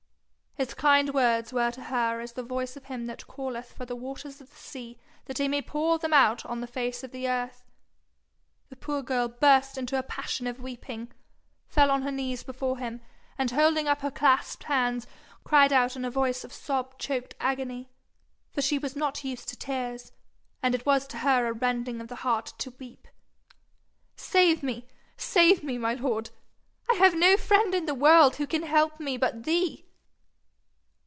His kind words were to her as the voice of him that calleth for the waters of the sea that he may pour them out on the face of the earth. The poor girl burst into a passion of weeping, fell on her knees before him, and holding up her clasped hands, cried out in a voice of sob choked agony for she was not used to tears, and it was to her a rending of the heart to weep 'Save me, save me, my lord! I have no friend in the world who can help me but thee.'